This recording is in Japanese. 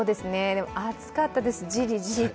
暑かったです、じりじりと。